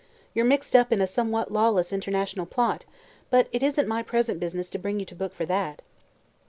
"You're mixed up in a somewhat lawless international plot, but it isn't my present business to bring you to book for that."